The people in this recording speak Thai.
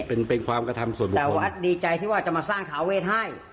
เป็นเป็นความกระทำส่วนบุคคลแต่วัดดีใจที่ว่าจะมาสร้างทาเวทให้